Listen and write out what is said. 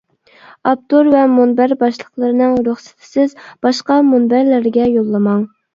ئاپتور ۋە مۇنبەر باشلىقلىرىنىڭ رۇخسىتىسىز باشقا مۇنبەرلەرگە يوللىماڭ.